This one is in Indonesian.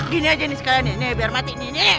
gini aja nih sekalian ya biar mati